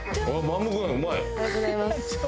ありがとうございます。